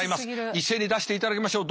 一斉に出していただきましょう。